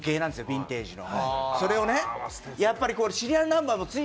ビンテージの。